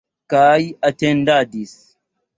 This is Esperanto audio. Kaj atendadis.